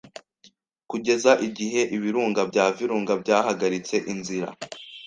kugeza igihe ibirunga bya Virunga byahagaritse inzira